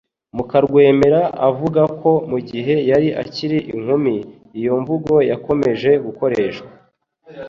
Mukarwemera avuga ko mu gihe yari akiri inkumi iyo mvugo yakomeje gukoreshwa